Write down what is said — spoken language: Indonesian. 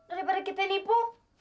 daripada kita nipu